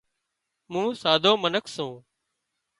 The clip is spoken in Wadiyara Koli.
مون سادرو منک سُون